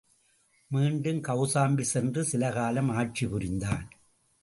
மீண்டும் கௌசாம்பி சென்று சில காலம் ஆட்சி புரிந்தான்.